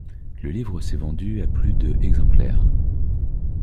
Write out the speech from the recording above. Le livre s'est vendu à plus de exemplaires.